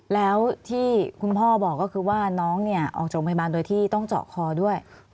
แล้วที่คุณพ่อบอกก็คือว่าน้องเนี่ยออกจากโรงพยาบาลโดยที่ต้องเจาะคอด้วย